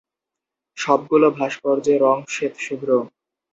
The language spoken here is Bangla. সবগুলো ভাস্কর্যের রং শ্বেত শুভ্র।